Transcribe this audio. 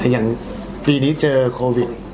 อย่างปีนี้เจอโควิด